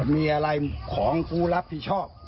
มีอะไรของกูรับผิดชอบ